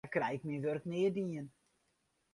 Sa krij ik myn wurk nea dien.